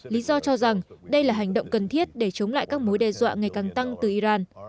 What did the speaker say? lý do cho rằng đây là hành động cần thiết để chống lại các mối đe dọa ngày càng tăng từ iran